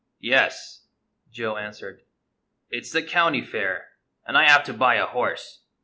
" Yes," Joe answered, "it 's the County Fair, and I have to buy a horse.